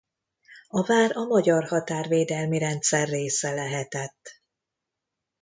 A vár a magyar határvédelmi rendszer része lehetett.